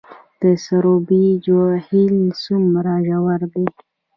د سروبي جهیل څومره ژور دی؟